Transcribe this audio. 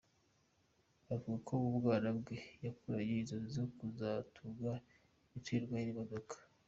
Avuga ko mu bwana bwe yakuranye inzozi zo kuzatunga imiturirwa n’imodoka.